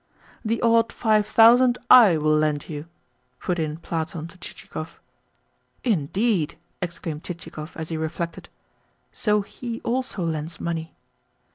"The odd five thousand I will lend you," put in Platon to Chichikov. "Indeed?" exclaimed Chichikov as he reflected: "So he also lends money!"